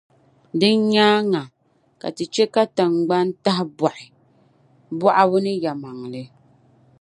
Din nyaaŋa, ka Ti chɛ ka tiŋgbani tahibɔɣi, bɔɣibu ni yɛlimaŋli.